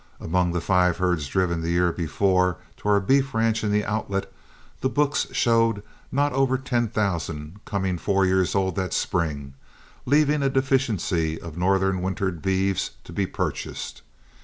Among the five herds driven the year before to our beef ranch in the Outlet, the books showed not over ten thousand coming four years old that spring, leaving a deficiency of northern wintered beeves to be purchased.